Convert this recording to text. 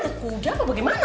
ada kuda apa bagaimana